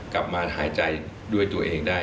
กลับมาหายใจด้วยตัวเองได้